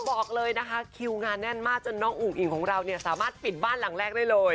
บอกเลยนะคะคิวงานแน่นมากจนน้องอุ๋งอิ่งของเราเนี่ยสามารถปิดบ้านหลังแรกได้เลย